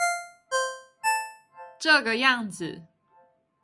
這個樣子